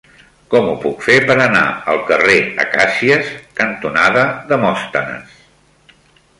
Com ho puc fer per anar al carrer Acàcies cantonada Demòstenes?